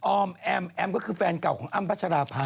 อมแอมแอมก็คือแฟนเก่าของอ้ำพัชราภา